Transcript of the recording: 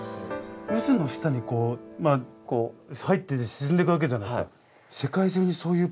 渦の下にこう入って沈んでいくわけじゃないですか。